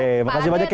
eh terima kasih banyak